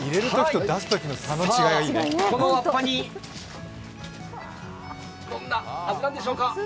さあ、このわっぱ煮、どんな味なんでしょうか。